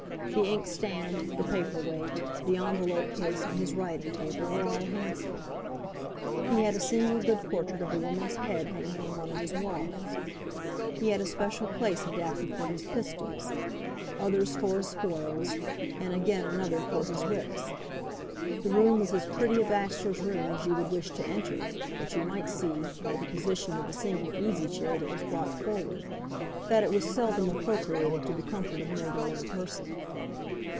The inkstand, the paper weight, the envelope case on his writing table were all handsome. He had a single good portrait of a woman's head hanging on one of his walls. He had a special place adapted for his pistols, others for his foils, and again another for his whips. The room was as pretty a bachelor's room as you would wish to enter, but you might see, by the position of the single easy chair that was brought forward, that it was seldom appropriated to the comfort of more than one person.